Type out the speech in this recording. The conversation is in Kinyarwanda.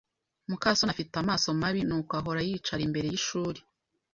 muka soni afite amaso mabi, nuko ahora yicara imbere yishuri.